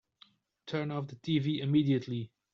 Turn off the tv immediately!